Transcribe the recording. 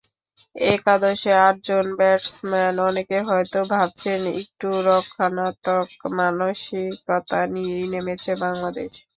একাদশে আটজন ব্যাটসম্যান, অনেকে হয়তো ভাবছেন একটু রক্ষণাত্মক মানসিকতা নিয়েই নেমেছে বাংলাদেশ।